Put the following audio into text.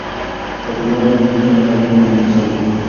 چاپیریال د ځمکې منابع خوندي ساتي.